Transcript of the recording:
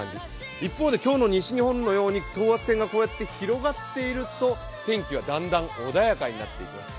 一方で今日の西日本のように等圧線が広がっていると天気がだんだん穏やかになっていきます。